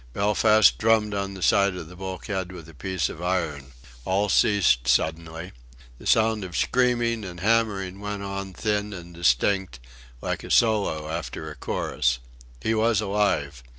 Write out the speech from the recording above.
Belfast drummed on the side of the bulkhead with a piece of iron. All ceased suddenly. The sound of screaming and hammering went on thin and distinct like a solo after a chorus. He was alive.